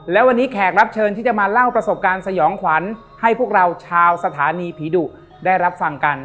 และวันนี้แขกรับเชิญที่จะมาเล่าประสบการณ์สยองขวัญให้พวกเราชาวสถานีผีดุได้รับฟังกัน